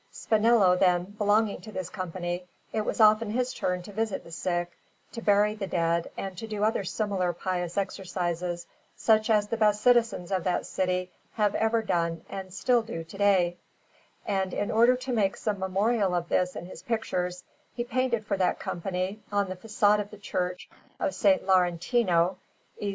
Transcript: Spinello, then, belonging to this Company, it was often his turn to visit the sick, to bury the dead, and to do other similar pious exercises, such as the best citizens of that city have ever done and still do to day; and in order to make some memorial of this in his pictures, he painted for that Company, on the façade of the Church of S. Laurentino e S.